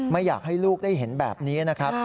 ไม่อยากให้ลูกได้เห็นแบบนี้นะครับ